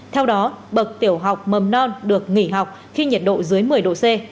theo đó bậc tiểu học mầm non được nghỉ học khi nhiệt độ dưới một mươi độ c